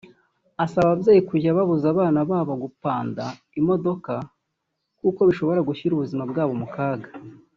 asaba n’ababyeyi kujya babuza abana babo gupanda imodoka kuko bishobora gushyira ubuzima bwabo mu kaga